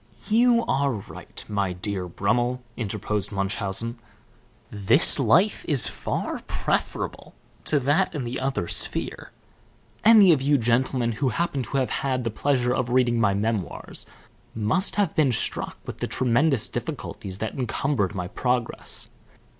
"You are right, my dear Brummel," interposed Munchausen. "This life is far preferable to that in the other sphere. Any of you gentlemen who happen to have had the pleasure of reading my memoirs must have been struck with the tremendous difficulties that encumbered my progress.